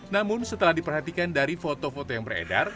namun setelah diperhatikan dari foto foto yang beredar